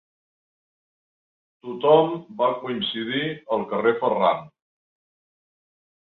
Tothom va coincidir al carrer Ferran.